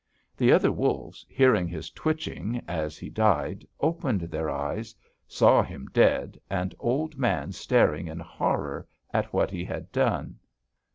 The other wolves, hearing his twitching, as he died, opened their eyes, saw him dead, and Old Man staring in horror at what he had done.